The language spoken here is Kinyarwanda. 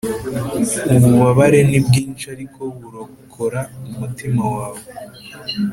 ububabare ni bwinshi ariko burokora umutima we